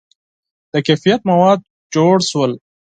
• د کیفیت مواد جوړ شول.